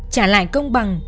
trả lại công bằng